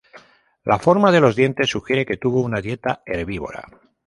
La forma de los dientes sugiere que tuvo una dieta herbívora.